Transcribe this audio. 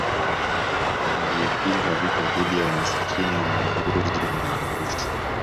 Aliyepinga vita dhidi ya umasikini ubaguzi na rushwa